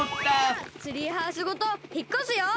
さあツリーハウスごとひっこすよ！